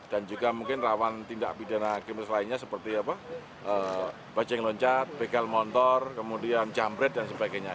dan juga mungkin rawan tindak bidana agensi lainnya seperti bajing loncat begal montor kemudian camret dan sebagainya